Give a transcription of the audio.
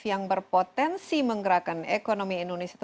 yang berpotensi menggerakkan ekonomi indonesia